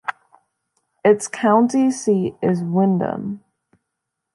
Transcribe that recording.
Its county seat is Windom.